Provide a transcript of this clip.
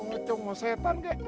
pocong mau setan kek